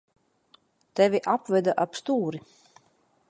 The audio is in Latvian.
Tevi apveda ap stūri.